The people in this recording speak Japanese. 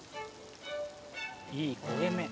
いい焦げ目。